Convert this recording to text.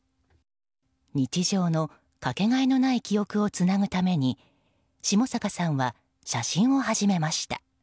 日常のかけがえのない記憶をつなぐために下坂さんは写真を始めました。